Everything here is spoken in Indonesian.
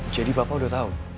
jadi papa sudah tahu